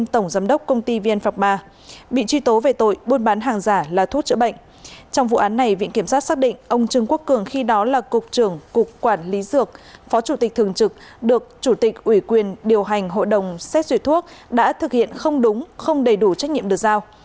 trong vụ án này viện kiểm sát xác định ông trương quốc cường khi đó là cục trưởng cục quản lý dược phó chủ tịch thường trực được chủ tịch ủy quyền điều hành hội đồng xét xuyệt thuốc đã thực hiện không đúng không đầy đủ trách nhiệm được giao